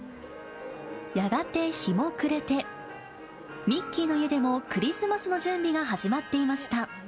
やがて日も暮れて、ミッキーの家でもクリスマスの準備が始まっていました。